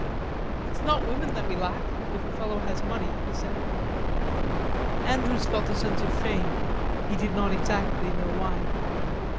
"It's not women that we lack, if a fellow has money," he said. Andrews felt a sense of shame, he did not exactly know why.